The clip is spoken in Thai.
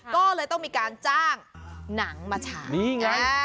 ก็เลยต้องมีการจ้างหนังมาสาย